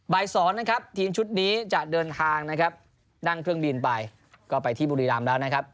สองนะครับทีมชุดนี้จะเดินทางนะครับนั่งเครื่องบินไปก็ไปที่บุรีรำแล้วนะครับ